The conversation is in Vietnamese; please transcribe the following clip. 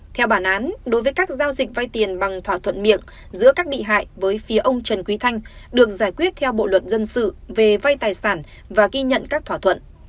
theo bản án đối với các giao dịch vay tiền bằng thỏa thuận miệng giữa các bị hại với phía ông trần quý thanh được giải quyết theo bộ luật dân sự về vay tài sản và ghi nhận các thỏa thuận